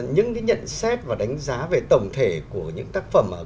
những cái nhận xét và đánh giá về tổng thể của những tác phẩm